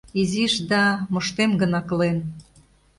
Изиш да... моштем гын аклен